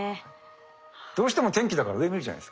どうしても天気だから上見るじゃないですか。